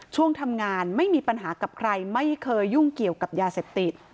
ช่วงทำงานไม่มีปัญหากับใครไม่เคยยุ่งเกี่ยวกับยาเสพติด